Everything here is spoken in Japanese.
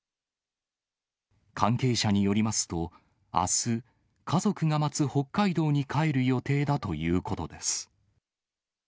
関係者によりますと、あす、家族が待つ北海道に帰る予定だということです。